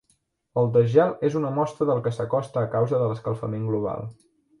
El desgel és una mostra del que s'acosta a causa de l'escalfament global.